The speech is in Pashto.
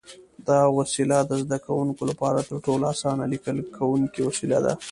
دا وسیله د زده کوونکو لپاره تر ټولو اسانه لیکل کوونکی وسیله ده.